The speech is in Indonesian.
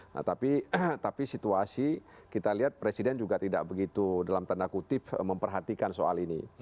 nah tapi situasi kita lihat presiden juga tidak begitu dalam tanda kutip memperhatikan soal ini